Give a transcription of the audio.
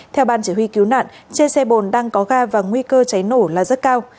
theo ban chỉ huy cứu nạn trên xe bồn đang có ga và nguy cơ cháy nổ là rất cao